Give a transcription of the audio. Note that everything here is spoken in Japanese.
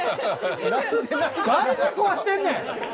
誰に食わしてんねん！